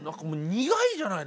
苦いじゃない。